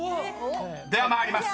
［では参ります。